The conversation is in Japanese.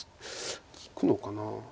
利くのかな。